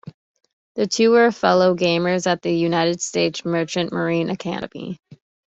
The two were fellow gamers at the United States Merchant Marine Academy.